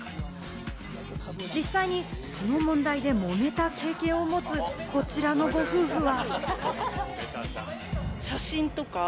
実際にその問題でもめた経験を持つ、こちらのご夫婦は。